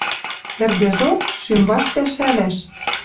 Ӹрдӹжок — шӱм вашт пӓшӓлӓш